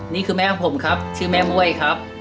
นี่คือแม่ของผมครับชื่อแม่ม่วยครับ